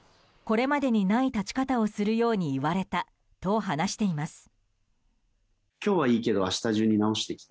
これまでにない立ち方をするように言われたと話しています。